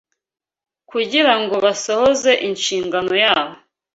kugira ngo basohoze inshingano yabo